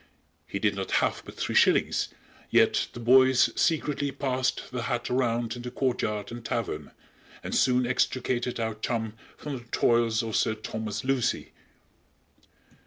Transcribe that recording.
He did not have but three shillings, yet the boys secretly passed the hat around in the court yard and tavern, and soon extricated our chum from the toils of Sir Thomas Lucy.